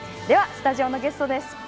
では、スタジオのゲストです。